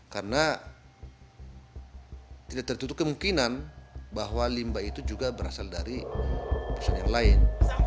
karena tidak tertutup kemungkinan bahwa limbah itu juga berasal dari perusahaan yang lain